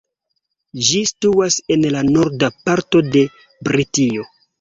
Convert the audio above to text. Ĝi situas en la norda parto de Britio.